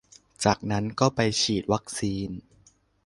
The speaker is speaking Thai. จากนั้นก็ไปฉีดวัคซีน